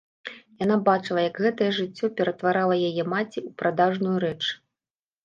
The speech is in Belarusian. Яна бачыла, як гэтае жыццё ператварыла яе маці ў прадажную рэч.